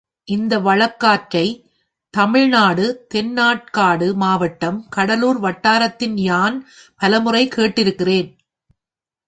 இந்த வழக்காற்றை, தமிழ்நாடு தென்னார்க்காடு மாவட்டம், கடலூர் வட்டாரத்தில் யான் பலமுறை கேட்டிருக் கிறேன்.